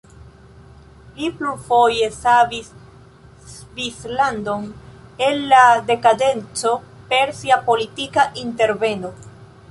Li plurfoje savis Svislandon el la dekadenco per sia politika interveno.